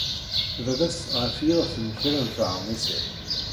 Baba-s ɣef yixef n kra n teṛmisin.